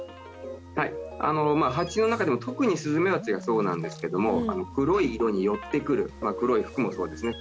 はいハチの中でも特にスズメバチがそうなんですけども黒い色に寄ってくる黒い服もそうですね